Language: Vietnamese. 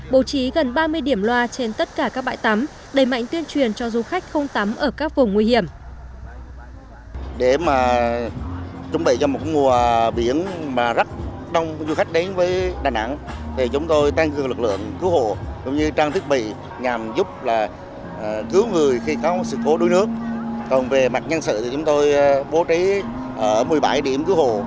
bổ trí gần ba mươi điểm loa trên tất cả các bãi tắm đầy mạnh tuyên truyền cho du khách không tắm ở các vùng nguy hiểm